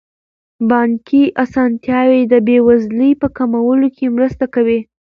بانکي اسانتیاوې د بې وزلۍ په کمولو کې مرسته کوي.